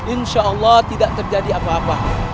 insya allah tidak terjadi apa apa